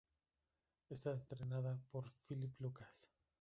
Está entrenada por Philippe Lucas.